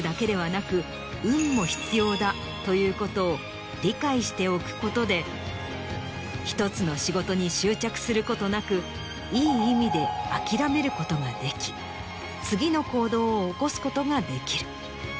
だということを理解しておくことで１つの仕事に執着することなくいい意味で諦めることができ次の行動を起こすことができる。